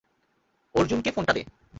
অর্জুনকে ফোনটা দে।